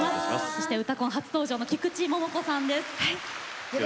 そして「うたコン」初登場の菊池桃子さんです。